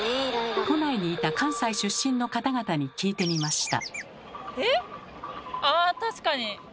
都内にいた関西出身の方々に聞いてみました。